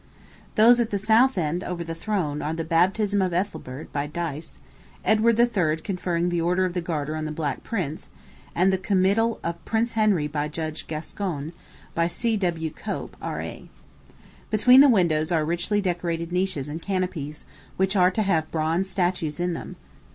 Those at the south end, over the throne, are 'the Baptism of Ethelbert,' by Dyce; 'Edward III. conferring the Order of the Garter on the Black Prince,' and 'the Committal of Prince Henry by Judge Gascoigne,' by C.W. Cope, R.A. Between the windows are richly decorated niches and canopies, which are to have bronze statues in them.